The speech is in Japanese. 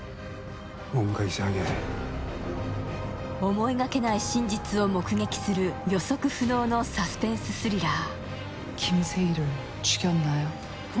思いがけない真実を目撃する予測不能のサスペンス・スリラー。